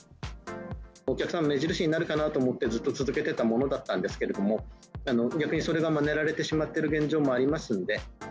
お客様の目印になるかなと思って、ずっと続けてたものだったんですけれども、逆にそれがまねられてしまっている現状もありますんで。